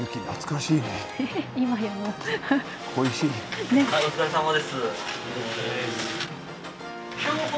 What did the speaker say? はいお疲れさまです。